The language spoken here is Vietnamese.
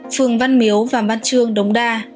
phường văn miếu và văn trương đống đa